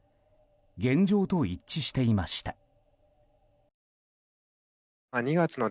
現状と一致していました。